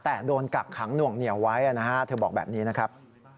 แต่โดนกักขังหน่วงเหนียวไว้นะฮะเธอบอกแบบนี้นะครับ